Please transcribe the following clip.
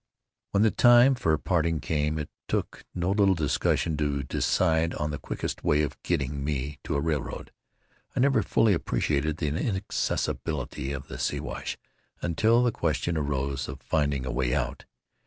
When the time for parting came it took no little discussion to decide on the quickest way of getting me to a railroad. I never fully appreciated the inaccessibility of the Siwash until the question arose of finding a way out.